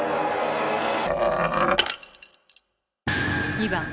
２番。